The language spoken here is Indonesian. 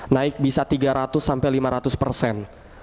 naik bisa tiga ratus sampai lima ratus persen